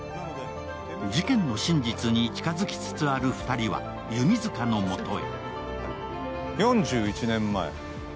事件の真実に近づきつつある２人は弓塚のもとに。